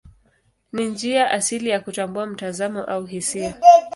Ni njia asili ya kutambua mtazamo au hisia.